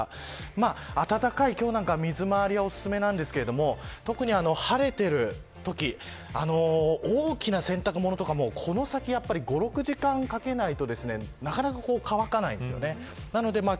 暖かい今日なんかは水回りがおすすめですが特に晴れているとき大きな洗濯物とかもこの先、５６時間かけないとなかなか乾かないんです。